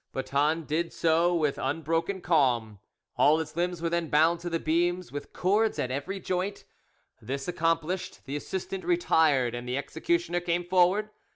Boeton did so with unbroken calm. All his limbs were then bound to the beams with cords at every joint; this accomplished, the assistant retired, and the executioner came forward.